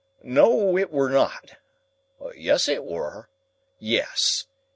"No it were not. Yes it were. Yes.